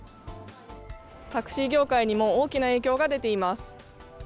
タクシー業界にも大きな影響が出ています。